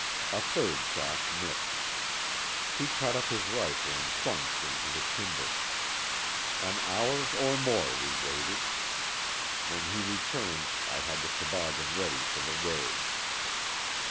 A third shot missed. He caught up his rifle and plunged into the timber. An hour or more we waited. When he returned I had the toboggan ready for the road.